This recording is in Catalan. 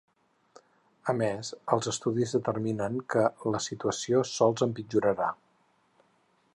A més, els estudis determinen que la situació sols empitjorarà.